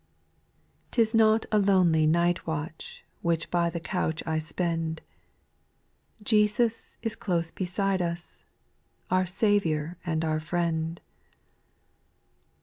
1. jrjl IS not a lonely night watch I Which by the couch I spend, Jesus is close beside us, Our Saviour and our Friend.